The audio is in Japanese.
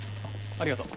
ありがとう。